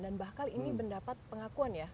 dan bahkan ini mendapat pengakuan ya